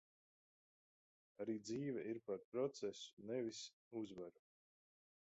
Arī dzīve ir par procesu, nevis uzvaru.